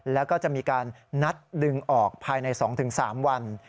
แล้วก็จะมีการนัดดึงออกภายใน๒๓วัน